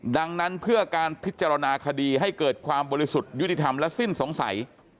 ดังนั้นเพื่อการพิจารณาคดีให้เกิดความบริสุทธิ์ยุติธรรมและสิ้นสงสัย